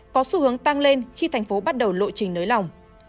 có xu hướng tăng lên khi thành phố bắt đầu lộ trình nới lỏng